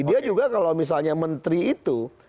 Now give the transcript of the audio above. dia juga kalau misalnya menteri itu